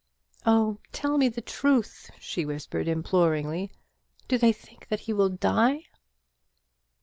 "Oh, tell me the truth," she whispered, imploringly; "do they think that he will die?"